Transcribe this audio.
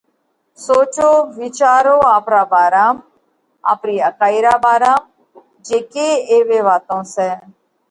سوچو، وِيچارو آپرا ڀارام، آپرِي اڪائِي را ڀارام جي ڪي ايوي واتون سئہ